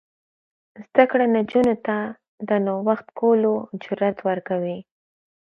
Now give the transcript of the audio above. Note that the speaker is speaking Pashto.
زده کړه نجونو ته د نوښت کولو جرات ورکوي.